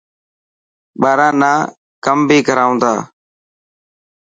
ٻاران نا ڪم بهي ڪرائون ٿا.